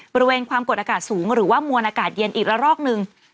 บริเวณความกดอากาศสูงหรือว่ามวลอากาศเย็นอีกละรอกหนึ่ง